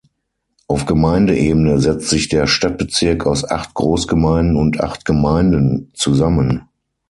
Auf Gemeindeebene setzt sich der Stadtbezirk aus acht Großgemeinden und acht Gemeinden zusammen.